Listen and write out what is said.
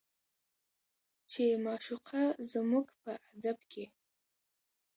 چې معشوقه زموږ په ادب کې